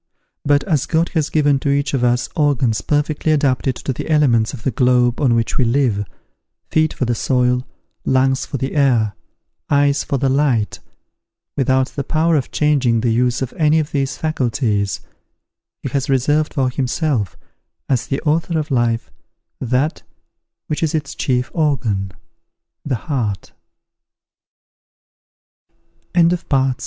But, as God has given to each of us organs perfectly adapted to the elements of the globe on which we live, feet for the soil, lungs for the air, eyes for the light, without the power of changing the use of any of these faculties, he has reserved for himself, as the Author of life, tha